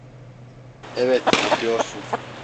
Evet, yapıyorsun.